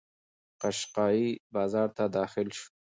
قشقایي بازار ته داخل شو.